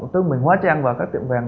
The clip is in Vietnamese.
tức là mình hóa trang vào các tiệm vàng